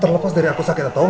terlepas dari aku sakit atau